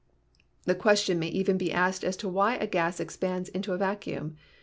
The question may even be asked as to why a gas expands into a vacuum.